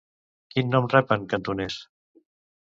Quin nom rep en cantonès?